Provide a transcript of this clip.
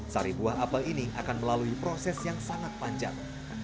sari buah apel ini akan melalui proses yang sangat panjang